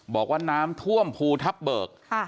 บอกว่าน้ำท่วมภูทับเบิก